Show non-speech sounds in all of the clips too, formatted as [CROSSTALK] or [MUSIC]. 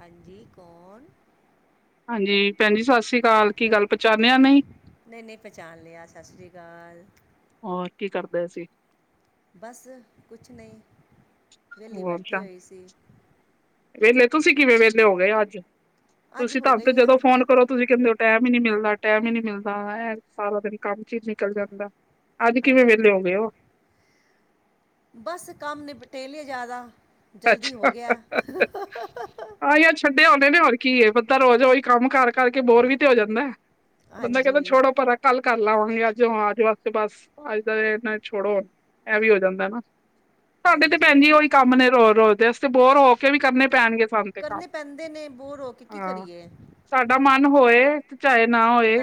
ਹਾਂਜੀ ਕੌਣ? ਹਾਂਜੀ ਭੈਣਜੀ ਸਤਿ ਸ਼੍ਰੀ ਕਾਲ ਕੀ ਗੱਲ ਪਚਾਣਿਆ ਨਈ? ਨਈ-ਨਈ ਪਹਿਚਾਣ ਲਿਆ ਸਾਸਰੀ ਕਾਲ। ਹੋਰ ਕੀ ਕਰਦੇ ਸੀ? ਬਸ ਕੁਛ ਨਈ ਵਿਹਲੀ ਬੈਠੀ ਹੋਈ ਸੀ। ਵੇਹਲੇ ਤੁਸੀਂ ਕਿਵੇਂ ਵੇਹਲੇ ਹੋ ਗਏ ਅੱਜ ਅੱਜ ਤੁਸੀਂ ਹੋ ਤਾਂ ਆਪੇ ਗਈ ਹਾਂ ਜਦੋਂ ਫੋਨ ਕਰੋ ਤੁਸੀਂ ਕਹਿੰਦੇ ਹੋ ਟੈਮ ਈ ਨੀ ਮਿਲਦਾ ਟੈਮ ਈ ਨੀ ਮਿਲਦਾ ਐ ਸਾਰਾ ਦਿਨ ਕੰਮ ਚ ਈ ਨਿਕਲ ਜਾਂਦਾ। ਅੱਜ ਕਿਵੇਂ ਹਾਂਜੀ ਵੇਹਲੇ ਹੋ ਗਏ ਓ? ਬਸ ਕੰਮ ਨਿਪਟੇ ਲਿਆ ਜ਼ਿਆਦਾ ਜਲਦੀ ਅੱਛਾ ਹੋ ਗਿਆ। [UNINTELLIGIBLE] ਹੁੰਦੇ ਨੇ ਹੋਰ ਕੀ ਏ ਬੰਦਾ ਰੋਜ਼ ਈ ਕੰਮ ਕਰ। ਕਰਕੇ ਬੋਰ ਵੀ ਤੇ ਹੋ ਜਾਂਦੇ। ਬੰਦਾ ਕਹਿੰਦਾ ਹਾਂਜੀ ਛੋੜੋ ਪਰਾ। ਕੱਲ ਕਰ ਲਾ ਹੁਣ ਨੀ ਅੱਜ ਹੁਣ ਅੱਜ ਵਾਸਤੇ ਬਸ। ਅੱਜ ਦਾ ਦਿਨ ਏਨਾ ਛੋੜ੍ਹੋ। ਇਹ ਵੀ ਹੋ ਜਾਂਦਾ ਨਾ। ਸਾਡੇ ਤੇ ਹਾਂਜੀ ਭੈਣ ਜੀ ਉਹੀ ਕੰਮ ਨੇ ਰੋ ਰੋਜ਼ ਦੇ ਅਸੀਂ, ਤੇ ਬੋਰ ਹੋ ਕੇ ਵੀ ਕਰਨੇ ਪੈਣਗੇ ਸਾਨੂੰ ਤੇ ਕੰਮ। ਕਰਨੇ ਪੈਂਦੇ ਨੇ ਬੋਰ ਹੋ ਕੇ ਕੀ ਹਾਂ ਕਰੀਏ ਸਾਡਾ ਮਨ ਹੋਏ ਤੇ ਚਾਹੇ ਨਾ ਹੋਏ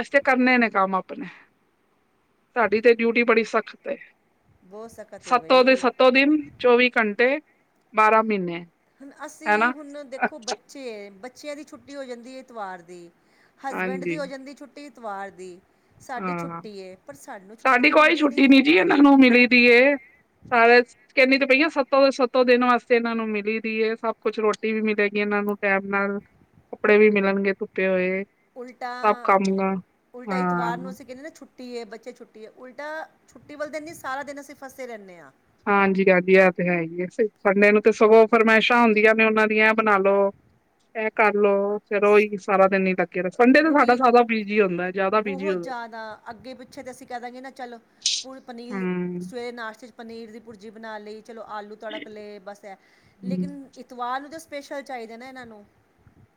ਅਸੀਂ ਤੇ, ਕਰਨੇ ਨੇ ਕੰਮ ਆਪਣੇ ਸਾਡੀ ਤੇ ਡਿਊਟੀ ਬੜੀ ਸਖਤ ਬਹੁਤ ਸਖਤ ਹੈ ਸੱਤੋਂ ਦੇ ਬਈ ਸੱਤੋਂ ਦਿਨ ਚੌਵੀ ਘੰਟੇ। ਬਾਰਾਂ ਮਹੀਨੇ। ਅਸੀਂ ਹੈਨਾ ਹੁਣ ਦੇਖੋ ਬੱਚੇ ਬੱਚਿਆਂ ਦੀ ਛੁੱਟੀ ਹੋ ਜਾਂਦੀ ਐ ਐਤਵਾਰ ਦੀ। ਹਸਬੈਂਡ ਹਾਂਜੀ ਦੀ ਹੋ ਜਾਂਦੀ ਛੁੱਟੀ ਇਤਵਾਰ ਦੀ ਸਾਡੀ ਹਾਂ ਛੁੱਟੀ ਹੈ, ਪਰ ਸਾਨੂੰ ਛੁੱਟੀ ਤੇ ਮਿਲਦੀ ਨਹੀਂ। ਮੈਨੂੰ, ਮਿਲੀ ਦੀ ਐ ਸਾਰੇ ਕਹਿੰਨੀ ਤੇ ਪਈ ਆਂ, ਸੱਤੋਂ -ਸੱਤੋਂ ਦਿਨ ਵਾਸਤੇ ਇਹਨਾਂ ਨੂੰ ਮਿਲੀ ਦੀ ਹੈ, ਸਭ ਕੁਛ, ਰੋਟੀ ਵੀ ਮਿਲੇਗੀ ਇਹਨਾਂ ਨੂੰ ਟਾਈਮ ਨਾਲ, ਕੱਪੜੇ ਵੀ ਮਿਲਣਗੇ ਧੁੱਪੇ ਹੋਏ। ਉਲਟਾ [UNINTELLIGIBLE] ਜਦੋਂ, ਅਸੀਂ ਕਹਿੰਦੇ, ਹਾਂ ਨਾ ਛੁੱਟੀ ਛੁੱਟੀ ਹੈ, ਬੱਚੇ ਛੁੱਟੀ ਏ, ਉਲਟਾ ਛੁੱਟੀ ਵਾਲੇ ਦਿਨ ਨਹੀਂ, ਸਾਰਾ ਦਿਨ ਅਸੀਂ ਫੱਸੇ ਰਹਿੰਦੇ ਹਾਂ। ਹਾਂਜੀ- ਹਾਂਜੀ, ਆਹ ਤੇ ਹੈ ਹੀ ਆ, ਸੰਡੇ ਨੂੰ ਤੇ ਸਗੋਂ ਫਰਮਾਇਸ਼ਾਂ ਹੁੰਦੀਆਂ ਨੇ, ਉਹਨਾਂ ਦੀਆਂ ਏ ਬਣਾ ਲਉ। ਇਹ ਕਰ ਲਉ। ਚਲੋ ਉਹੀ ਸਾਰਾ ਦਿਨ ਹੀ ਲੱਗੇ ਰਹੋ, ਸੰਡੇ ਤੇ ਸਾਡਾ ਰੂਟੀਨ ਸਾਰਾ ਬਿਜੀ ਹੁੰਦਾ, ਜ਼ਿਆਦਾ ਬਿਜੀ ਬਹੁਤ ਹੁੰਦਾ। ਜ਼ਿਆਦਾ ਅੱਗੇ- ਪਿੱਛੇ ਤੇ, ਅਸੀਂ ਕਹਿ ਦਾਂਗੇ ਨਾ ਚਲ ਪੂਲ ਪਨੀਲ ਹਮ ਸਵੇਰੇ ਨਾਸ਼ਤੇ ਚ ਪਨੀਰ ਦੀ ਭੁਰਜੀ ਬਣਾ ਲਈ, ਚਲੋ ਆਲੂ ਤੜਕ ਲਏ, ਬਸ ਐ ਲੇਕਿਨ ਇਤਵਾਰ ਨੂੰ, ਤੇ ਸਪੈਸ਼ਲ ਚਾਹੀਦਾ ਨਾ ਇਹਨਾਂ ਨੂੰ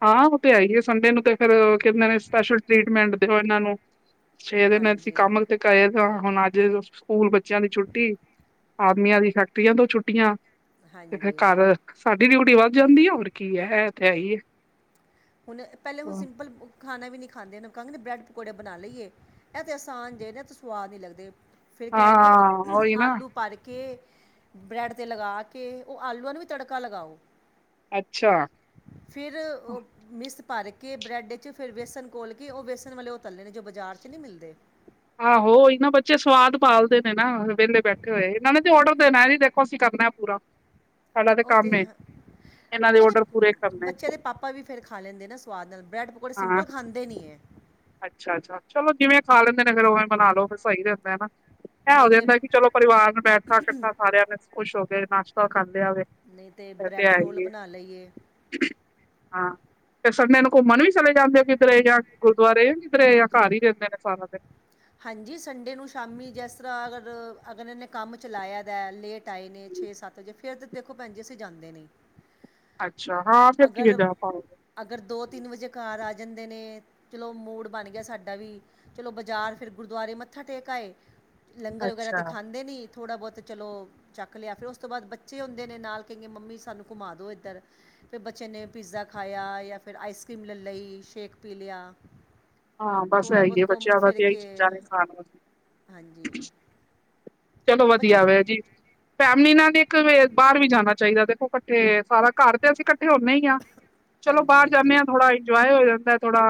ਹਾਂ ਉਹ ਤੇ ਹੈ ਈ ਏ, ਸੰਡੇ ਨੂੰ ਤੇ ਫੇਰ ਕਹਿੰਦੇ ਨੇ, ਸਪੈਸ਼ਲ ਟ੍ਰੀਟਮੈਂਟ ਦਿਓ ਇਹਨਾਂ ਨੂੰ। ਛੇ ਦਿਨ ਅਸੀਂ ਹਾਂਜੀ ਕੰਮ ਤੇ ਗਏ ਹਾਂ, ਹੁਣ ਅੱਜ ਸਕੂਲ ਬੱਚਿਆਂ ਦੀ ਛੁੱਟੀ, ਆਦਮੀਆਂ ਦੀ ਫੈਕਟਰੀਆਂ ਤੋਂ ਛੁੱਟੀਆਂ, ਤੇ ਫਿਰ ਹਾਂਜੀ ਘਰ ਸਾਡੀ, ਡਿਊਟੀ ਵੱਧ ਜਾਂਦੀ ਹੈ, ਹੋਰ ਕੀ ਹੈ, ਇਹ ਤੇ ਹੈ ਈ ਹੈ। ਹੁਣ, ਪਹਿਲੇ ਉਹ ਸਿੰਪਲ ਖਾਣਾ ਵੀ ਨਹੀਂ ਖਾਂਦੇ, ਕਹਾਂਗੀ ਬ੍ਰੈਡ -ਪਕੌੜੇ ਬਣਾ ਲਈਏ, ਇਹ ਤੇ ਆਸਾਨ ਜੇ ਨੇ ਤੇ ਸਵਾਦ ਨੀ ਲੱਗਦੇ। ਫਿਰ ਕਹਿਣਗੇ, ਹਾਂ ਉਹੀ ਨਾ ਆਲੂ ਭਰ ਕੇ, ਬ੍ਰੈਡ ਤੇ ਲਗਾ ਕੇ, ਉਹ ਆਲੂਆਂ ਨੂੰ ਵੀ ਤੜਕਾ ਲਗਾਉ। ਅੱਛਾ। ਫਿਰ, ਉਹ ਮਿਸ ਭਰ ਕੇ ਬਰੈੱਡ 'ਚ ਫਿਰ ਵੇਸਣ ਘੋਲ ਕੇ, ਉਹ ਵੇਸਣ ਵਾਲੇ ਉਹ ਤਲੇ ਨੇ, ਜੋ ਬਾਜ਼ਾਰ 'ਚ, ਨਹੀਂ ਮਿਲਦੇ ਆਹੋ ਉਹੀ ਨਾ, ਬੱਚੇ ਸਵਾਦ ਭਾਲਦੇ ਨੇ ਨਾ, ਵਿਹਲੇ ਬੈਠੇ ਹੋਏ, ਇਹਨਾਂ ਨੇ ਤੇ ਔਡਰ ਦੇਣਾ ਇਹ ਨੀ ਦੇਖ ਇਹ ਅਸੀਂ ਕਰਨਾ ਪੂਰਾ, ਸਾਡਾ ਤੇ ਉਹ ਕੰਮ ਏ, ਹੈ ਇਹਨਾਂ ਦੇ ਔਡਰ ਪੂਰੇ ਕਰਨੇ। ਆਪਾ ਵੀ, ਫੇਰ ਖਾ ਲੈਂਦੇ ਨਾ ਸਵਾਦ ਨਾਲ, ਬ੍ਰੈਡ ਪਕੌੜੇ ਸਿੰਪਲ ਖਾਂਦੇ ਨੀ ਹੈ। ਅੱਛਾ- ਅੱਛਾ, ਚਲੋ ਜਿਵੇਂ ਖਾ ਲੈਂਦੇ ਨੇ, ਫਿਰ ਉਵੇਂ ਬਨਾ ਲਉ, ਫਿਰ ਸਹੀ ਰਹਿੰਦਾ ਨਾ। ਐ ਹੋ ਨਹੀਂ ਤੇ ਜਾਂਦਾ ਕਿ, ਚਲੋ ਪਰਿਵਾਰ ਨਾਲ ਬੈਠ ਖਾ ਇਕੱਠਾ ਖਾ ਲਿਆ, ਬਸ ਖੁਸ਼ ਹੋ ਗਏ ਨਾਸ਼ਤਾ ਕਰ ਲਿਆ ਵੇ, ਨਹੀਂ ਇਹ ਤੇ ਬ੍ਰੈਡ ਹੈ ਰੋਲ ਈ ਏ। ਬਣਾ ਲਈਏ ਹਾਂ, ਫਿਰ ਸੰਡੇ ਨੂੰ ਘੁੰਮਣ ਵੀ, ਚੱਲੇ ਜਾਂਦੇ ਹੋ, ਕਿਧਰੇ ਜਾ ਗੁਰਦੁਆਰੇ, ਕਿਧਰੇ ਯਾ ਘਰ ਹੀ ਰਹਿੰਦੇ ਨੇ ਸਾਰਾ ਦਿਨ? ਹਾਂਜੀ, ਸੰਡੇ ਨੂੰ ਸ਼ਾਮੀ, ਜਿਸ ਤਰ੍ਹਾਂ ਅਗਰ, ਅਗਲੇ ਨੇ ਕੰਮ ਚਲਾਇਆ ਦਾ, ਲੇਟ ਆਏ ਨੇ ਦਿਨ। ਛੇ ਸੱਤ ਵਜੇ, ਫਿਰ ਤਾਂ ਦੇਖੋ ਭੈਣ ਜੀ ਅਸੀਂ ਜਾਂਦੇ ਨਹੀਂ। ਅੱਛਾ, ਹਾਂ ਫਿਰ ਕੀ, ਅਗਰ ਜਾ ਪਾਉਗੇ। ਅਗਰ ਦੋ, ਤਿੰਨ ਵਜੇ ਘਰ ਆ ਜਾਂਦੇ ਨੇ, ਚਲੋ ਮੂਡ ਬਣ ਗਿਆ, ਸਾਡਾ ਵੀ ਚਲੋ ਬਾਜ਼ਾਰ ਫਿਰ, ਗੁਰਦੁਆਰੇ ਮੱਥਾ ਟੇਕ ਆਏ, ਲੰਗਰ ਵਗੈਰਾ ਅੱਛਾ। ਤੇ ਖਾਂਦੇ ਨਹੀਂ। ਥੋੜ੍ਹਾ ਬਹੁਤ ਚਲੋ ਛੱਕ ਲਿਆ, ਫਿਰ ਉਸ ਤੋਂ ਬਾਅਦ ਬੱਚੇ ਹੁੰਦੇ ਨੇ ਨਾਲ, ਕਹਿਣਗੇ ਮੰਮੀ, ਸਾਨੂੰ ਘੁੰਮਾ ਦਿਉ ਇੱਧਰ। ਫਿਰ ਬੱਚੇ ਨੇ ਪੀਜ਼ਾ ਖਾਇਆ, ਜਾਂ ਫਿਰ ਆਈਸ ਕਰੀਮ ਲੈ ਲਈ, ਸ਼ੇਕ ਪੀ ਲਿਆ। ਹਾਂ ਬਸ ਥੋੜ੍ਹਾ ਇਹੀ ਬਹੁਤ, ਹੈ ਘੁੰਮ ਬੱਚਿਆਂ ਦਾ ਫਿਰ ਤੇ ਇਹੀ ਕੇ, ਚੀਜ਼ਾਂ ਨੇ ਖਾਣ ਵਾਲੀ ਹਾਂਜੀ। ਚਲੋ ਵਧੀਆ ਬੱਚੇ ਵੇ ਜੀ, ਫੈਮਲੀ ਨਾਲ ਇੱਕ ਬਾਹਰ ਵੀ ਜਾਣਾ ਚਾਹੀਦਾ, ਦੇਖੋ ਇਕੱਠੇ। ਸਾਰਾ ਘਰ ਤੇ ਅਸੀਂ ਇਕੱਠੇ ਹੁੰਦੇ ਹੀ ਹਾਂ, ਚਲੋ ਹਾਂਜੀ ਬਾਹਰ ਜਾਂਦੇ ਹਾਂਜੀ ਹਾਂ, ਥੋੜਾ ਇੰਜੋਏ ਹੋ ਜਾਂਦਾ। ਥੋੜਾ,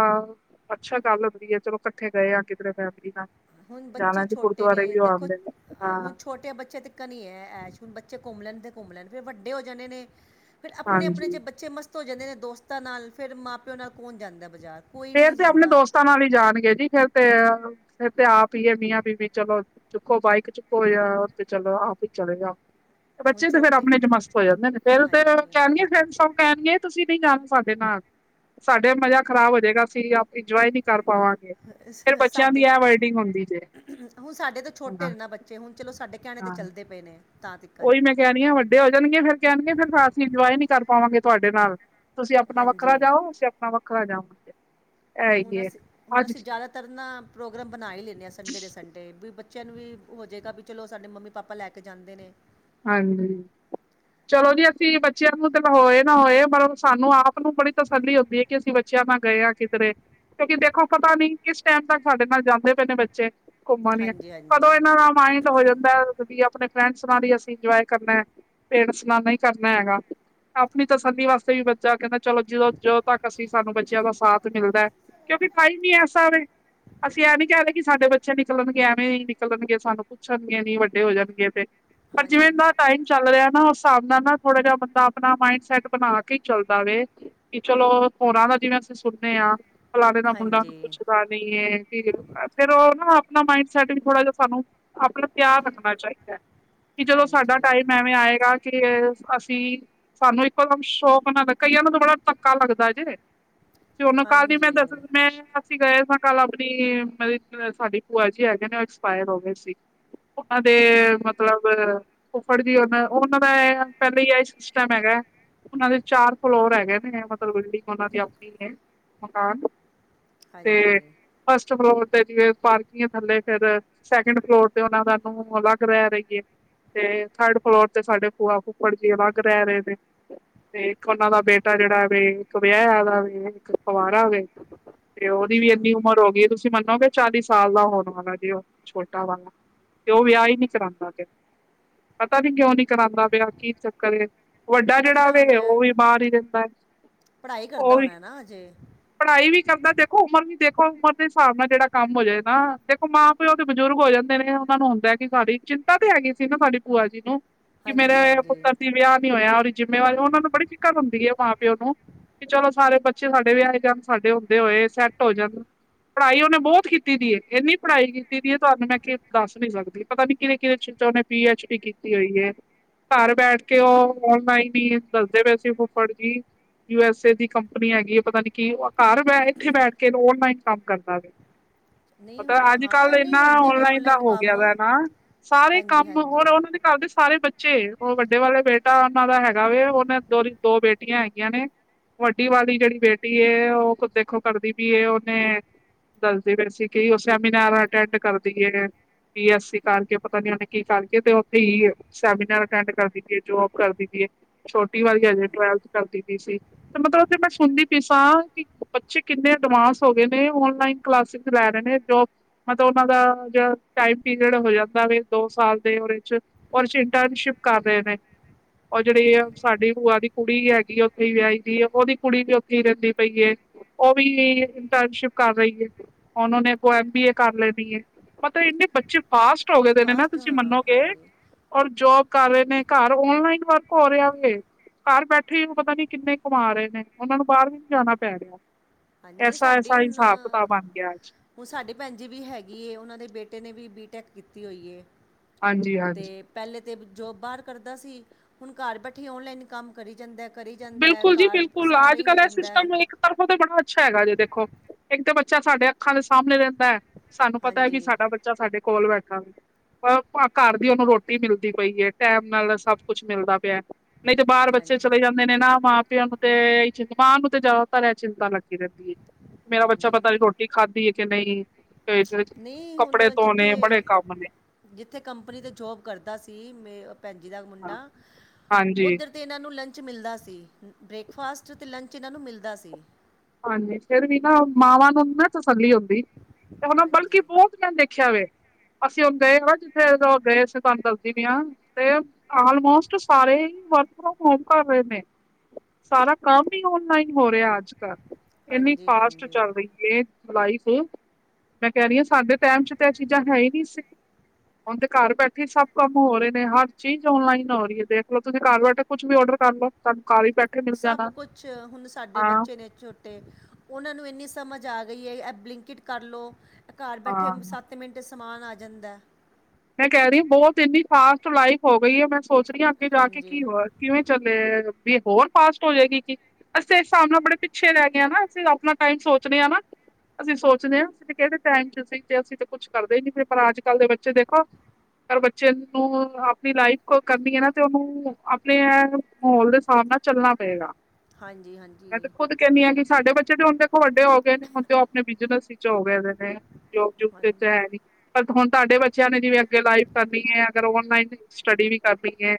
ਅੱਛਾ ਗੱਲ ਹੁੰਦੀ ਹੈ, ਚਲੋ ਇਕੱਠੇ ਗਏ ਆ, ਕਿਧਰੇ ਫੈਮਿਲੀ ਨਾਲ। ਹੁਣ, ਬੱਚੇ ਜਾਣਾ ਜੀ ਛੋਟੇ ਗੁਰਦੁਆਰੇ ਨੇ ਵੀ ਉਹ ਦੇਖੋ ਆਉਂਦੇ ਨੇ ਹਾਂ ਹੁਣ ਛੋਟੇ ਬੱਚੇ ਤਕਣ ਈ ਏ ਐਸ਼, ਬੱਚੇ ਘੁੰਮ ਲੈਣ ਤੇ, ਘੁੰਮ ਲੈਣ, ਫਿਰ ਵੱਡੇ ਹੋ ਜਾਣੇ ਨੇ ਫਿਰ, ਆਪਣੇ -ਆਪਣੇ ਚ ਹਾਂਜੀ ਬੱਚੇ ਮਸਤ ਹੋ ਜਾਂਦੇ ਨੇ ਦੋਸਤਾਂ ਨਾਲ, ਫਿਰ ਮਾਂ -ਪਿਓ ਨਾਲ ਕੋਣ ਜਾਂਦਾ ਬਾਜ਼ਾਰ? ਕੋਈ ਵੀ ਫੇਰ ਨਹੀਂ ਤੇ, ਆਪਣੇ ਜਾਂਦਾ ਦੋਸਤਾਂ ਨਾਲ ਈ ਜਾਣਗੇ ਜੀ, ਫੇਰ ਤੇ ਫਿਰ ਤੇ, ਆਪ ਈ ਐ, ਮੀਆਂ -ਬੀਬੀ ਚੱਲੋ ਚੁੱਕੋ, ਬਾਈਕ ਚੁੱਕੋ, ਯਾ ਤੇ ਚੱਲੋ ਆਪ ਹੀ ਚੱਲੇ ਜਾਉ। ਹੁਣ ਬੱਚੇ ਤੇ ਫੇਰ, ਛੋਟੇ ਆਪਣੇ ਚ ਮਸਤ ਹੋ ਜਾਂਦੇ ਨੇ, ਫੇਰ ਤੇ ਹਾਂਜੀ [UNINTELLIGIBLE] ਕਹਿਣਗੇ, ਤੁਸੀਂ ਨਹੀਂ, ਜਾਣਾ ਸਾਡੇ ਨਾਲ, ਸਾਡੇ ਮਜ਼ਾ ਖ਼ਰਾਬ ਹੋ ਜੇਗਾ। ਅਸੀ ਆਪ ਇੰਜੋਏ ਨੀ ਕਰ ਪਾਵਾਂਗੇ ਫੇਰ ਬੱਚਿਆਂ ਦੀ ਸਾਡੇ ਇਹ ਵਰਡਿੰਗ ਹੁੰਦੀ ਜੇ ਹੁਣ ਸਾਡੇ ਤੋ ਛੋਟੇ ਹਾਂ ਨੇ ਨਾ ਬੱਚੇ ਅੇ ਹੁਣ ਚਲੋ ਸਾਡੇ ਕੇਹਣੇ ਤੇ ਚੱਲਦੇ ਪਏ ਨੇ ਤਾਂ ਤੱਕਣ ਉਈ ਮੈਂ ਕੇਰੀ ਆ ਵੱਡੇ ਹੋਜਾਨ ਗੇ ਫਿਰ ਕਹਿਣਦੀ ਫਿਰ ਅਸੀਂ ਇੰਜੋਏ ਨੀ ਕਰ ਪਾਵਾਂਗੇ ਤੁਹਾਡੇ ਨਾਲ ਤੁਸੀਂ ਆਪਣਾ ਵੱਖਰਾ ਹਾਂਜੀ ਜਾਓ ਅਸੀਂ ਆਪਣਾ ਵੱਖਰਾ ਜਾਵਾਗੇਂ ਹੁਣ ਅਸੀਂ ਹੁਣ ਅਸੀਂ ਜ਼ਿਆਦਾਤਰ ਨਾ ਪ੍ਰੋਗਰਾਮ ਬਣਾ ਹੀ ਲੈਂਦੇ ਹਾਂ ਸੰਡੇ ਦੇ ਸੰਡੇ ਵੀ ਬੱਚਿਆਂ ਨੂੰ ਵੀ ਹੋ ਜੇਗਾ ਵੀ ਚਲੋ ਸਾਡੇ ਮੰਮੀ ਪਾਪਾ ਲੈ ਕੇ ਜਾਂਦੇ ਨੇ ਹਾਂਜੀ ਚਲੋ ਜੀ ਅਸੀਂ ਬੱਚਿਆਂ ਨੂੰ ਤਾਂ ਹੋਏ ਨਾ ਹੋਏ ਪਰ ਸਾਨੂੰ ਆਪ ਨੂੰ ਬੜੀ ਤਸੱਲੀ ਹੁੰਦੀਏ ਕਿ ਅਸੀਂ ਬੱਚਿਆਂ ਨਾਲ ਗਏ ਆ ਕਿਧਰੇ ਕਿਉਂਕਿ ਦੇਖੋ ਪਤਾ ਨੀ ਕਿਸ ਟੈਮ ਤੱਕ ਸਾਡੇ ਨਾਲ ਜਾਂਦੇ ਪਏ ਨੇ ਬੱਚੇ ਘੁੰਮਣ ਹਾਂਜੀ ਹਾਂਜੀ ਕਦੋਂ ਏਨਾਂ ਦਾ ਮਾਇੰਡ ਹੋ ਜਾਂਦਾ ਵੀ ਆਪਣੇ ਫਰੈਂਡਸ ਬਾਰੀ ਇੰਜੋਏ ਕਰਨਾ ਪੇਰੈਂਟਸ ਨਾਲ ਨਹੀਂ ਕਰਨਾ ਹੈਗਾ ਆਪਣੀ ਤਸੱਲੀ ਵਾਸਤੇ ਵੀ ਬੱਚਾ ਕਹਿੰਦਾ ਚਲੋ ਜਦੋਂ ਜਦੋਂ ਤੱਕ ਅਸੀਂ ਸਾਨੂੰ ਬੱਚਿਆਂ ਦਾ ਸਾਥ ਮਿਲਦਾ ਕਿਉਂਕਿ ਟਾਈਮ ਏਸਾ ਏ ਅਸੀਂ ਇਹਂ ਨੀ ਕਹਿ ਦਦੇ ਕਿ ਸਾਡੇ ਬੱਚੇ ਨਿਕਲਣਗੇ ਐਵੇਂ ਹੀ ਨਿਕਲਣਗੇ ਸਾਨੂੰ ਪੁੱਛਣਗੀਆਂ ਨੀ ਵੱਡੇ ਹੋ ਜਾਣਗੇ ਤੇ ਪਰ ਹਾਂਜੀ ਜਿਵੇਂ ਟਾਈਮ ਚੱਲ ਰਿਆ ਨਾ ਉਸ ਸਾਬ ਨਾਲ ਨਾ ਥੋੜਾ ਜਆ ਬੰਦਾ ਆਪਣਾ ਮਾਇੰਡ ਸੈਟ ਬਣਾ ਕੇ ਈ ਚੱਲਦਾ ਵੇ ਕਿ ਚਲੋ ਹੋਰਾਂ ਦਾ ਜਿਵੇਂ ਅਸੀਂ ਸੁਣਦੇ ਆ ਫਲਾਣੇ ਦਾ ਮੁੰਡਾ ਹਾਂਜੀ ਪੁੱਛਦਾ ਫਿਰ ਓ ਨਾ ਅਪਨਾ ਮਾਈਂਡ ਸੈਟ ਵੀ ਥੋੜਾ ਜਿਆ ਸਾਨੂੰ ਆਪਣਾ ਧਿਆਬ ਰੱਖਣਾ ਚਾਈਦਾ ਕਿ ਜਦੋਂ ਸਾਡਾ ਹਾਂਜੀ ਟਾਈਮ ਐਵੇਂ ਆਏਗਾ ਕਿ ਅਸੀਂ ਸਾਨੂੰ ਇੱਕੋਦਮ ਸ਼ੌਕ ਨਾ ਲਗੇ ਕਈਆਂ ਨੂੰ ਤਾ ਬੜਾ ਤੱਕਾ ਲੱਗਦਾ ਜੇ ਉਹਨੂੰ ਕੱਲ ਨੀ [UNINTELLIGIBLE] ਮੈਂ ਦੱਸ ਹਾਂਜੀ ਮੈਂ ਅਸੀਂ ਗਏ ਸਾ ਕੱਲ ਆਪਣੀ ਮਤਲਬ ਸਾਡੀ ਭੂਆ ਜੀ ਹੈਗੇ ਨੇ ਉ ਐਕਸਪਾਇਰ ਹੋ ਗਏ ਸੀ। ਦੇਤਲ [UNINTELLIGIBLE] ਮਤਲਬ ਫੁਫੜ ਜੀ ਹੁਨ ਉਨਾਂ ਦਾ ਏ ਪਹਿਲਾਂ ਹੀ ਸਿਸਟਮ ਹੈਗਾ ਉਨਾਂ ਦੇ ਚਾਰ ਫਲੋਰ ਹੈਗੇ ਨੇ ਮਤਲਬ ਬਿਲਡਿੰਗ ਉਨਾਂ ਦੀ ਆਪਣੀ ਏ ਮਕਾਨ ਤੇ ਹਾਂਜੀ ਫਸਟ ਫਲੋਰ ਤੇ ਜਿਵੇਂ ਪਾਰਕੀਗ ਥੱਲੇ ਫਿਰ ਸੈਕਿੰਡ ਫਲੋਰ ਤੇ ਓਨਾਂ ਦਾ ਅਲੱਗ ਲੇ ਰਈ ਤੇ ਥਰਡ ਫਲੋਰ ਤੇ ਸਾਡੇ ਭੁਆ ਫੂਫੜ ਜੀ ਅਲੱਗ ਰੇ ਰਹੇ ਨੇ ਤੇ ਇੱਕ ਓਨਾਂ ਦਾ ਬੇਟਾ ਜਿਹੜਾ ਇੱਕ ਵਿਆਯਾ ਦਾ ਵੇ ਇੱਕ ਕੁਵਾਰਾਂ ਵੇ ਤੇ ਓਦੀ ਵੀ ਅੱਛਾ ਅੱਦੀ ਉਮਰ ਹੋ ਗਈ ਤੁਸੀਂ ਮੰਨੋਗੇ ਚਾਲੀ ਸਾਲ ਦਾ ਹੋਣ ਵਾਲਾ ਜੀ ਓ ਛੋਟਾ ਵਾਲਾ ਤੇ ਉਹ ਵਿਆ ਹੀ ਨੀ ਕਰਾਂਦਾ ਪਤਾ ਨੀ ਕਿਉਂ ਨੀ ਕਰਾਂਦਾ ਪਿਆ ਕੀ ਚੱਕਰ ਏ ਵੱਡਾ ਜੇੜਾ ਪੜ੍ਹਦਾ ਵੇ ਹੋਣਾ ਹੈ, ਉਹ ਵੀ ਬਾਰ ਈ ਰਿਆਦਾ ਏ ਪੜ੍ਹਾਈ ਕਰਦਾ ਹੋਣਾ ਨਾ ਅਜੇ ਪੜ੍ਹਾਈ ਵੀ ਕਰਦਾ ਦੇਖੋ ਉਮਰ ਵੀ ਦੇਖੋ ਉਮਰ ਦੇ ਹਿਸਾਬ ਨਾਲ ਜਿਹੜਾ ਕੰਮ ਹੋਜੇ ਨਾ ਦੇਖੋ ਮਾਂ ਉ ਤੇ ਬਜ਼ੁਰਗ ਹੋ ਜਾਂਦੇ ਨੇ ਉਨਾਂ ਨੂੰ ਹੁੰਦਾ ਕਿ ਘਰ ਚਿੰ ਪਤਾ ਤੇ ਹੈਗੀ ਸੀ ਨਾ ਸਾਡੀ ਭੂਆ ਜੀ ਨੂੰ ਕਿ ਮੇਰੇ ਹਾਂਜੀ ਏ ਹਾਂਜੀ ਪੁੱਤਰ ਦੀ ਵਿਆ ਨੀ ਹੋਏਆ ਜਿੰਮੇਵਾਰੀ ਓਨਾਂ ਨੂੰ ਬੜੀ ਫਿਕਰ ਹੁੰਦੀ ਏ ਮਾਂ ਪਿਓ ਨੂੰ ਵੀ ਚਲੋ ਸਾਰੇ ਬੱਚੇ ਸਾਡੇ ਵੇਆਏ ਜਾਣ ਸਾਡੇ ਹੁੰਦੇ ਹੋਏ ਸੈਟ ਹੋ ਜਾਣ ਪੜ੍ਹਾਈ ਉਨੇ ਬੋਤ ਕੀਤੀ ਦੀ ਏ ਏਨੀ ਪੜ੍ਹਾਈ ਕੀਤੀ ਦੀ ਏ ਤੁਹਾਨੂੰ ਮੈਂ ਦੱਸ ਨੀ ਸਕਦੀ ਪਤਾ ਨੀ ਕਿੇ ਕਿ [UNINTELLIGIBLE] ਉਹਨੇ ਪੀ ਐਚ ਡੀ ਕੀਤੀ ਹੋਈ ਏ ਘਰ ਬੈਠ ਕੇ ਓ ਔਨਲਾਈਨ ਈ ਦੱਸਦੇ ਪਏ ਸੀ ਫੁੱਫੜ ਜੀ ਯੂ ਐਸ ਏ ਦੀ ਕੰਪਨੀ ਹੈਗੀ ਹੈ ਪਤਾ ਨੀ ਕਿ ੳਹ ਘਰ ਬੇ ਇੱਥੇ ਬੈਠ ਕੇ ਔਨਲਾਈਨ ਕੰਮ ਕਰਦਾ ਵੇ ਨਹੀਂ ਪਤਾ ਹੋ- ਅੱਜ ਕੱਲ ਹਾਂ ਨਹੀਂ ਇਨਾ ਹੁੰਦੇ ਨੇ ਔਨਲਾਈਨ ਦਾ ਹੋ ਗਿਆ ਕੰਮ ਵਾ ਨਾ ਸਾਰੇ ਹਾਂਜੀ ਕੰਮ ਹਾਂਜੀ ਹੋਰ ਉਹਨਾਂ ਦੇ ਘਰ ਦੇ ਸਾਰੇ ਬੱਚੇ ਉਹ ਵੱਡੇ ਵਾਲੇ ਬੇਟਾ ਉਹਨਾਂ ਦਾ ਹੈਗਾ ਵੇ ਉਨੇ ਦੋ [UNINTELLIGIBLE] ਦੋ ਬੇਟੇ ਬੇਟਿਆਂ ਹੈਗੀਆਂ ਨੇ ਵੱਡੀ ਵਾਲੀ ਜਿਹੜੀ ਬੇਟੀ ਹੈ ਉਹ ਕੁ ਦੇਖੋ ਕਰਦੀ ਪੀਏ ਉਹਨੇ ਦੱਸਦੇ ਪੈਸੀ ਕਿ ਉਹ ਸੈਮੀਨਾਰ ਅਟੈਂਡ ਕਰਦੀ ਹੈ ਬੀ ਐੱਸਸੀ ਕਰਕੇ ਪਤਾ ਨੀ ਉਹਨੇ ਕੀ ਕਰਕੇ ਤੇ ਉਥੇ ਹੀ ਸੈਮੀਨਾਰ‌ ਅਟੈਂਡ ਕਰਦੀ ਪੀਏ ਜੋਬ ਕਰਦੀ ਪੀਏ ਛੋਟੀ ਵਾਲੀ ਹਜੇ ਟਵੈਲਥ ਕਰਦੀ ਪਈ ਸੀ। ਤੇ ਮਤਲਬ ਮੈਂ ਸੁਣਦੀ ਪਈ ਸਾਂ ਕਿ ਬੱਚੇ ਕਿੰਨੇ ਐਡਵਾਂਸ ਹੋ ਗਏ ਨੇ ਔਨਲਾਈਨ ਕਲਾਸਿਸ ਲੈ ਰਹੇ ਨੇ ਜੋ ਮਤਲਬ ਉਹਨਾਂ ਦਾ ਜੋ ਟਾਈਮ ਪੀਰੀਅਡ ਹੋ ਜਾਂ ਦੋ ਸਾਲ ਦੇ ਉਹਦੇ ਚ ਉਹਦੇ ਚ ਇੰਟਰਨਸ਼ਿਪ ਕਰ ਰਹੇ ਨੇ ਉਹ ਜਿਹੜੇ ਆ ਹਾਂਜੀ ਸਾਡੀ ਬੂਆ ਦੀ ਕੁੜੀ ਹੈਗੀ ਉੱਥੇ ਹੀ ਵਿਆਹੀ ਦੀ ਹੈ ਉਹਦੀ ਕੁੜੀ ਵੀ ਉੱਥੇ ਹੀ ਰਹਿੰਦੀ ਪਈ ਹੈ। ਉਹ ਵੀ ਇੰਟਰਨਸ਼ਿਪ ਕਰ ਰਹੀ ਹੈ। ਉਹਨਾਂ ਨੇ ਕੋ ਐਮ ਬੀ ਏ ਕਰ ਲੈਣੀ ਹੈ ਪਤਾ ਇੰਨੇ ਬੱਚੇ ਫਾਸਟ ਹੋ ਗੇ ਦੇ ਨੇ ਨਾ ਫਾਸਟ ਤੁਸੀਂ ਹਾਂ ਮੰਨੋਗੇ ਹਾਂਜੀ ਔਰ ਜੋਬ ਕਰ ਰਹੇ ਨੇ ਘਰ ਔਨਲਾਈਨ ਵਰਕ ਹੋ ਰਿਹਾ ਵੇ ਘਰ ਬੈਠੇ ਹੀ ਉਹ ਪਤਾ ਨੀ ਕਿੰਨੇ ਕਮਾ ਰਹੇ ਨੇ ਉਹਨਾਂ ਨੂੰ ਬਾਹਰ ਵੀ ਨੀ ਜਾਣਾ ਪੈ ਰਿਹਾ ਹਾਂਜੀ ਨਹੀਂ ਐਸਾ ਸਾਡੇ ਐਸਾ ਹੁਣ ਹਿਸਾਬ ਕਿਤਾਬ ਬਣ ਗਿਆ ਅੱਜ ਹੁਣ ਸਾਡੇ ਭੈਣ ਜੀ ਵੀ ਹੈਗੀ ਏ ਓਨਾਂ ਦੇ ਬੇਟੇ ਨੇ ਵੀ ਬੀਟੈਕ ਕੀਤੀ ਹੋਈ ਏ ਹਾਂਜੀ, ਹਾਂਜੀ ਪਹਿਲੇ ਤਾਂ ਜੋਬ ਬਾਹਰ ਕਰਦਾ ਸੀ ਹੁਣ ਘਰ ਬੈਠੇ ਔਨਲਾਈਨ ਕੰਮ ਕਰੀ ਜਾਂਦੇ ਕਰੀ ਜਾਂਦਾ ਹੈ ਬਿਲਕੁਲ ਕਾਰ ਸਾਰੇ ਹੀ ਹੋ ਜਾਂਦਾ ਹੈ। ਪਰ ਉਹ ਤੇ ਬੜਾ ਅੱਛਾ ਹੈਗਾ ਜੇ ਦੇਖੋ ਇੱਕ ਤਾਂ ਬੱਚਾ ਸਾਡੇ ਅੱਖਾਂ ਦੇ ਸਾਮਣੇ ਰਹਿੰਦਾ ਹੈ ਸਾਨੂੰ ਪਤਾ ਹੈ ਕੀ ਹਾਂਜੀ ਸਾਡਾ ਬੱਚਾ ਸਾਡੇ ਕੋਲ ਬੈਠਾ ਵੇ ਘਰ ਦੀ ਉਹਨੂੰ ਰੋਟੀ ਮਿਲਦੀ ਪਈ ਹੈ ਟੈਮ ਨਾਲ ਸਭ ਕੁੱਛ ਮਿਲਦਾ ਪਿਆ ਨਹੀਂ ਤੇ ਬਾਹਰ ਬੱਚੇ ਹਾਂਜੀ ਚਲੇ ਜਾਂਦੇ ਨੇ ਨਾ ਮਾਂ ਪਿਓ ਨੂੰ ਤੇ ਇ ਚਿ ਮਾਂ ਨੂੰ ਤੇ ਜ਼ਿਆਦਾਤਰ ਏਹ ਚਿੰਤਾ ਲੱਗ ਰਹਿੰਦੀ ਹੈ ਮੇਰਾ ਬੱਚਾ ਹਾਂਜੀ ਪਤਾ ਨੀ ਰੋਟੀ ਖਾਦੀ ਹੈ ਕਿ ਨਹੀਂ [UNINTELLIGIBLE] ਨਹੀਂ ਹੁਣ ਕੱਪੜੇ ਜਿੱਥੇ ਧੋਣੇ ਬੜੇ ਕੰਮ ਨੇ ਜਿੱਥੇ ਕੰਪਨੀ ਤੇ ਜੋਬ ਕਰਦਾ ਸੀ ਮੇ ਭੈਣ ਜੀ ਦਾ ਹਾਂ ਮੁੰਡਾ ਹਾਂਜੀ ਉੱਧਰ ਇਹਨਾਂ ਨੂੰ ਲੰਚ ਮਿਲਦਾ ਸੀ ਬ੍ਰੇਕਫਾਸਟ ਤੇ ਲੰਚ ਇਹਨਾਂ ਨੂੰ ਮਿਲਦਾ ਸੀ। ਹਾਂਜੀ ਫਿਰ ਵੀ ਨਾ ਮਾਵਾਂ ਨੂੰ ਨੀ ਨਾ ਤਸੱਲੀ ਹੁੰਦੀ ਤੇ ਹੁਣ ਹਾਂਜੀ ਬਲਕਿ ਦੇਖਿਆ ਵੇ ਅਸੀਂ ਹੁਨ ਗਏ ਆ ਜਿੱਥੇਂ ਉਹ ਗਏ ਅਸੀਂ ਤੁਹਾਨੂੰ ਦੱਸਦੀ ਪਈ ਆ ਤੇ ਆਲਮੋਸਟ ਸਾਰੇ ਹੀ ਵਰਕ ਫਰੋਮ ਹੋਮ ਕਰ ਰਹੇ ਨੇ ਸਾਰਾ ਕੰਮ ਹੀ ਔਨਲਾਈਨ ਹੋ ਰਿਹਾ ਅੱਜ ਕੱਲ ਇੰਨੀ ਹਾਂਜੀ ਫਾਸਟ ਹਾਂਜੀ ਚੱਲ ਰਹੀ ਹੈ। [UNINTELLIGIBLE] ਮੈਂ ਕੇ ਰਹੀ ਹਾਂ ਸਾਡੇ ਟਾਈਮ ਚ ਤਾਂ ਇਹ ਚੀਜ਼ਾਂ ਹੈ ਹੀ ਨਹੀਂ ਸੀ। ਹੁਨ ਤੇ ਘਰ ਬੈਠੇ ਹੀ ਸਭ ਕੰਮ ਹੋ ਰਹੇ ਨੇ ਹਰ ਚੀਜ਼ ਔਨਲਾਈਨ ਹੋ ਰਹੀ ਹੈ ਦੇਖਲੋ ਤੁਸੀਂ ਘਰ ਬੈਠੇ ਕੁਛ ਵੀ ਔਡਰ ਕਰ ਲੋ ਤੁਹਾਨੂੰ ਕਾਲੀ ਪੈਂਟ ਸਭ ਕੁਛ ਹੁਣ ਸਾਡੇ ਬੱਚੇ ਛੋਟੇ ਤੇ ਉਹਨਾਂ ਨੂੰ ਇੰਨੀ ਸਮਝ ਆ ਗਈ ਹੈ ਇਹ ਬਲਿੰਕਕਿਟ ਕਰ ਲੋ ਇਹ ਘਰ ਬੈਠੇ ਹਾਂ ਸਭ ਮਿੰਟ ਚ ਸਮਾਨ ਆ ਜਾਂਦਾ ਏ ਮੈਂ ਕੇ ਰਹੀ ਹਾਂ ਬਹੁਤ ਇੰਨੀ ਫਾਸਟ ਲਾਈਫ ਹੋ ਗਈ ਹੈ ਮੈਂ ਸੋਚ ਰਹੀ ਹਾਂ ਅੱਗੇ ਜਾ ਕੇ ਹਾਂਜੀ ਕੀ ਹੋ ਕਿਵੇਂ ਚੱਲੇ ਵੀ ਹੋਰ ਫਾਸਟ ਹੋ ਜਾਏਗੀ ਕਿ ਅਸੀਂ ਇਸ ਹਿਸਾਬ ਨਾਲ ਬੜੇ ਪਿੱਛੇ ਰਹਿ ਗਏ ਹਾ ਨਾ ਅਸੀਂ ਆਪਣਾ ਟਾਈਮ ਸੋਚਨੇ ਹਾਂ ਨਾ ਅਸੀਂ ਸੋਚਦੇ ਹਾਂ ਕਿਹੜੇ ਟਾਈਮ ਚ ਸੀ ਤੇ ਅਸੀਂ ਤੇ ਕੁੱਛ ਕਰਦੇ ਨੀ ਪਏ ਪਰ ਅੱਜ ਕੱਲ ਦੇ ਬੱਚੇ [UNINTELLIGIBLE] ਪਰ ਬੱਚੇ ਨੂੰ ਆਪਣੀ ਲਾਈਫ ਕਰਨੀ ਹੈ ਨਾ ਤੇ ਉਹਨੂੰ ਆਪਣੇ ਐ ਮਹੌਲ ਦੇ ਹਿਸਾਬ ਨਾਲ ਚੱਲਣਾ ਪਏਗਾ ਹਾਂਜੀ ਹਾਂਜੀ ਮੈਂ ਤੇ ਖੁਦ ਕਹਿੰਦੀ ਆ ਕਿ ਸਾਡੇ ਬੱਚੇ ਤੇ ਹੁਣ ਦੇਖੋ ਵੱਡੇ ਹੋ ਗਏ ਨੇ ਹੁਣ ਤੇ ਉਹ ਆਪਣੇ ਬਿਜ਼ਨਸ ਹੀ [UNINTELLIGIBLE] ਨੇ ਜੋਬ ਜੁੱਬ ਤੇ ਵਿੱਚ ਹਾਂਜੀ ਹੈ ਨੀ ਬਟ ਹੁਣ ਤੁਹਾਡੇ ਬੱਚੇ ਬੱਚਿਆਂ ਨੇ ਅਗੇ ਲਾਈਫ ਕਰਨੀ ਹੈ ਅਗਰ ਔਨਲਾਈਨ ਸਟੱਡੀ ਵੀ ਕਰਨੀ ਹੈ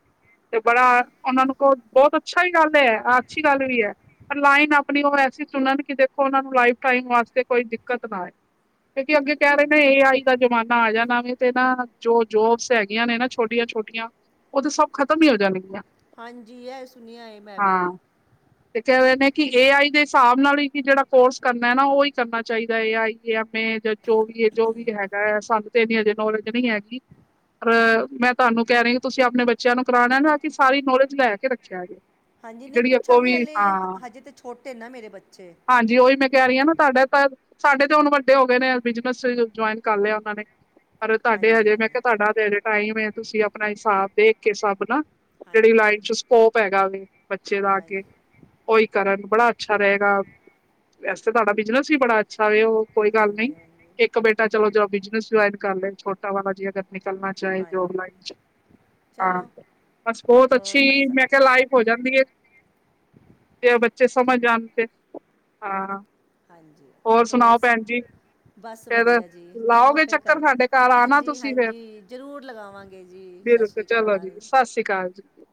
ਤੇ ਬੜਾ ਉਨਾਂ ਨੂੰ ਕੋ ਬਹੁਤ ਅੱਛਾ ਈ ਗੱਲ ਹੈ, ਆ ਅੱਛੀ ਗੱਲ ਵੀ ਹੈ। ਪਰ ਲਾਈਨ ਆਪਣੀ ਉ ਐਸੀ ਚੁਨਣ ਕਿ ਦੇਖੋ ਉਨਾਂ ਨੂੰ ਲਾਈਫ ਟਾਈਮ ਵਾਸਤੇ ਕੋਈ ਦਿੱਕਤ ਨਾ ਆਏ। ਕਿਉਂਕਿ ਅੱਗੇ ਕੇ ਰਏ ਨੇ ਹਾਂਜੀ ਏ ਆਈ ਦਾ ਜਮਾਨਾ ਆ ਜਾਨਾ ਵੇ ਤੇ ਨਾ ਜੋ ਜੋਬਸ ਹੈਗੀਆਂ ਨੇ ਨਾ ਛੋਟੀਆਂ-ਛੋਟੀਆਂ ਉਹ ਤੇ ਸਬ ਖਤਮ ਹੀ ਹੋ ਜਾਣਗੀਆਂ। ਹਾਂਜੀ ਏ ਸੁਣਿਆ ਹੈ ਮੈਂ ਵੀ ਹਾਂ ਤੇ ਕਹਿ ਰਹੇ ਨੇ ਕਿ ਏ ਆਈ ਦੇ ਸਾਬ ਨਾਲ ਈ ਕਿ ਜੇੜਾ ਕੋਰਸ ਕਰਨਾ ਏ ਨਾ ਉਈ ਕਰਨਾ ਚਾਹੀਦਾ ਏ ਆਈ ਕੀ ਆਪਣੇ ਜੋ ਵੀ ਜੋ ਵੀ ਹੈਗਾ ਹੈ ਸਾਨੂੰ ਤੇ ਇੰਨੀ ਅਜੇ ਨੌਲੇਜ ਨਈ ਹੈਗੀ ਪਰ ਮੈਂ ਤਾਨੂੰ ਕੇ ਰਈ ਤੁਸੀਂ ਆਪਨੇ ਬੱਚਿਆਂ ਨੂੰ ਕਰਾਣਾ ਏ ਨਾ ਕਿ ਸਾਰੀ ਨੌਲੇਜ ਲੈ ਕੇ ਰੱਖਿਆ ਜੇ ਹਾਂਜੀ, ਨੀਂ ਜਿਹੜੀ ਅੱਗੋਂ ਪੁੱਛਾਂਗੇ ਵੀ ਹਲੇੇ ਹਾਂ ਹਜੇ ਤੇ ਛੋਟੇ ਨਾ ਮੇਰੇ ਬੱਚੇ ਜੀ ਉਈ ਮੈਂ ਕੇ ਰਈ ਆਨਾ ਤੁਹਾਡਾ ਤੇ ਸਾਡੇ ਤੇ ਹੁਨ ਵੱਡੇ ਹੋ ਗਏ ਨੇਂ, ਬਿਜਨਸ ਜੁਆਇਨ ਕਰ ਲਿਆ ਉਨਾਂ ਨੇਂ ਪਰ ਤਾਡੇ ਹਜੇ ਹਾਂਜੀ ਮੈਂ ਕਿਯਾ ਹਾਂਜੀ ਤੁਹਾਡਾ ਤੇ ਹਜੇ ਟਾਈਮ ਏ, ਤੁਸੀਂ ਆਪਨਾ ਸਾਬ ਦੇਖ ਕੇ ਸਬ ਨਾਂ ਕੇੜੀ ਹਾਂਜੀ ਲਾਈਨ ਚ ਸਕੋਪ ਹੈਗਾ ਵੇ ਬੱਚੇ ਦਾ ਅੱਗੇ ਹਾਂਜੀ ਉਈ ਕਰਨ ਬੜਾ ਅੱਛਾ ਰਏਗਾ, ਵੈਸੇ ਤੁਆਡਾ ਬਿਜਨਸ ਵੀ ਬੜਾ ਅੱਛਾ ਵੇ ਉ ਕੋਈ ਗੱਲ ਨਈ, ਹਾਂਜੀ ਏਕ ਬੇਟਾ ਚਲੋ ਜੋ ਬਿਜਨਸ ਜੁਆਇਨ ਕਰ ਲਏ ਛੋਟਾ ਵਾਲਾ ਜੇ ਅਗਰ ਨਿਕਲਨਾ ਚਾਏ ਜੋਬ ਹਾਂਜੀ ਲਾਈਨ ਚ ਹਾਂ, ਚਲੋ ਬਸ ਬੋਤ ਹੋਰ ਅੱਛੀ ਸ ਮੈਂ ਕਿਯਾ ਲਾਈਫ ਹੋ ਜਾਂਦੀ ਏ, ਜੇ ਬੱਚੇ ਸਮਝ ਆਣ ਤੇ। ਹਾਂ ਹਾਂਜੀ, ਹੋਰ ਸੁਣਾਓ ਸ ਭੈਣ ਜੀ ਬਸ ਫੇਰ ਵਦੀਆ ਜੀ, ਚਲੋ ਲਾਓਗੇ ਫਿਰ ਕਰ ਚੱਕਰ ਸਾਡੇ ਘਰ ਆਣਾ ਤੁਸੀਂ ਫੇਰ। ਹਾਂਜੀ-ਹਾਂਜੀ ਜ਼ਰੂਰ ਲਗਾਵਾਂਗੇ ਜੀ, ਸਤਿ ਬਿਲਕੁਲ ਸ਼੍ਰੀ ਚਲੋ ਜੀ ਅਕਾਲ। ਸਤਿ ਸ਼੍ਰੀ ਅਕਾਲ।